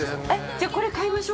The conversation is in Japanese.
◆じゃあ、これ買いましょう。